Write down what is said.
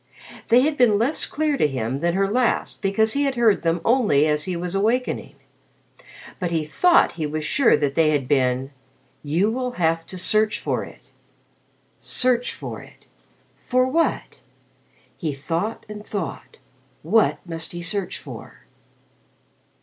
They had been less clear to him than her last because he had heard them only as he was awakening. But he thought he was sure that they had been, "You will have to search for it." Search for it. For what? He thought and thought. What must he search for?